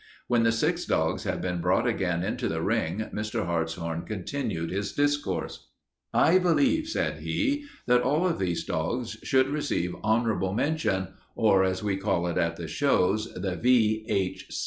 When the six dogs had been brought again into the ring, Mr. Hartshorn continued his discourse. "I believe," said he, "that all of these dogs should receive honorable mention, or, as we call it at the shows, the V.